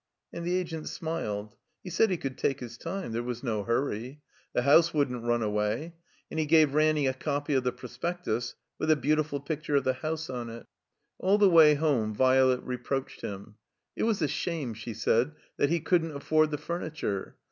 And the Agent smiled. He said he cotdd take his time. There was no hurry. The house wouldn't run away. And he gave Ranny a copy of the Pros pectus with a beautiful picture of the house on it. 134 THE COMBINED MAZE All the way home Violet reproached him. It was a shame, she said, that he couldn't afford the furniture.